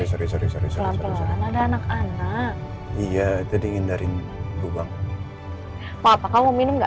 iya jadi ngindarin lubang apa apa kamu minum enggak